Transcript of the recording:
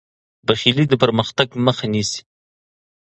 بخیلي د پرمختګ مخه نیسي.